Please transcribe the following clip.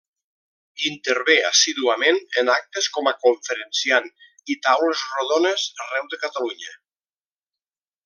Intervé assíduament en actes com a conferenciant i taules rodones arreu de Catalunya.